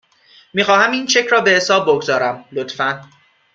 میخواهم این چک را به حساب بگذارم، لطفاً.